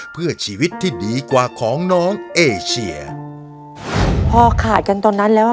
เพื่อชีวิตที่ดีกว่าของน้องเอเชียพอขาดกันตอนนั้นแล้วอ่ะ